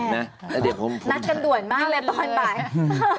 นัดกันด่วนมากเลยตอนบ่าย